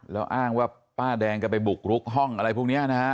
แล้วอ้างว่าป้าแดงก็ไปบุกรุกห้องอะไรพวกนี้นะฮะ